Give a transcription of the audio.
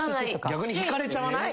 逆に引かれちゃわない？